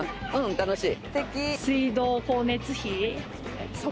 楽しい。